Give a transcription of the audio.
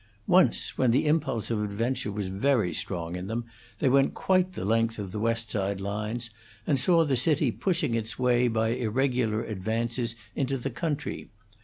Once, when the impulse of adventure was very strong in them, they went quite the length of the West Side lines, and saw the city pushing its way by irregular advances into the country.